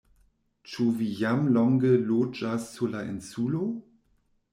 Ĉu vi jam longe loĝas sur la Insulo?